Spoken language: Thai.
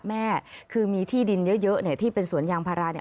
แม่คือมีที่ดินเยอะเนี่ยที่เป็นสวนยางพาราเนี่ย